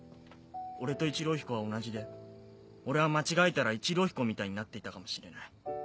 俺と一郎彦は同じで俺は間違えたら一郎彦みたいになっていたかもしれない。